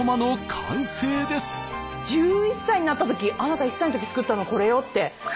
１１歳になったときあなた１歳のとき作ったのこれよって。